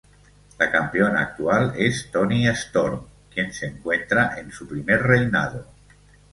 La campeona actual es Toni Storm, quien se encuentra en su primer reinado.